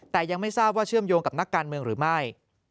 แต่ยังไม่ทราบว่าเชื่อมโยงกับนักการเมืองหรือไม่